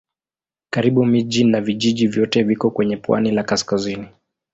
Karibu miji na vijiji vyote viko kwenye pwani la kaskazini.